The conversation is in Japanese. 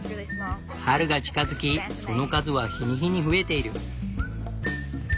春が近づきその数は日に日に増えている。